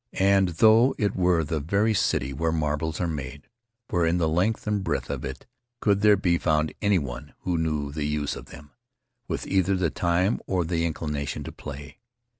And, though it were the very city where marbles are made, where in the length or breadth of it could there be found anyone who knew the use of them, with either the time or the inclination to play?